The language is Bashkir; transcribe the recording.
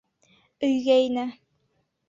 Өйгә инә.